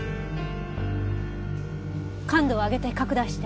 感度を上げて拡大して。